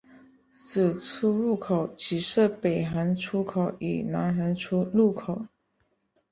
此出入口只设北行出口与南行入口。